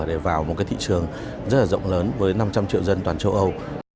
để vào một cái thị trường rất là rộng lớn với năm trăm linh triệu dân toàn châu âu